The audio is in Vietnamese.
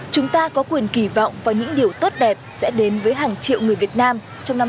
chúng ta có quyền kỳ vọng và những điều tốt đẹp sẽ đến với hàng triệu người việt nam trong năm hai nghìn hai mươi